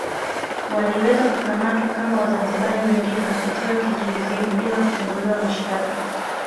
Waliweza kukamatwa kama Wazanzibari wengine na kutiwa kizuizini bila kufunguliwa mashitaka